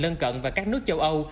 lân cận và các nước châu âu